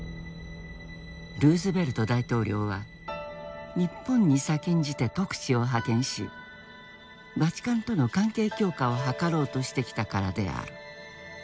ルーズベルト大統領は日本に先んじて特使を派遣しバチカンとの関係強化を図ろうとしてきたからである。